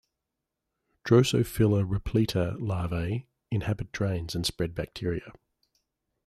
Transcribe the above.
"Drosophila repleta" larvae inhabit drains and spread bacteria.